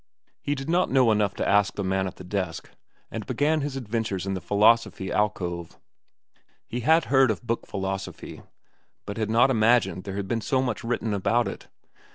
He did not know enough to ask the man at the desk, and began his adventures in the philosophy alcove. He had heard of book philosophy, but had not imagined there had been so much written about it.